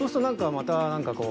また。